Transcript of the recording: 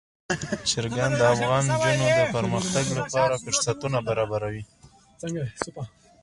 چرګان د افغان نجونو د پرمختګ لپاره فرصتونه برابروي.